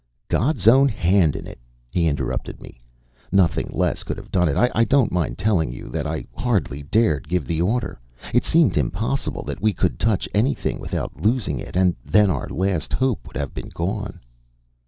"God's own hand in it," he interrupted me. "Nothing less could have done it. I don't mind telling you that I hardly dared give the order. It seemed impossible that we could touch anything without losing it, and then our last hope would have been gone."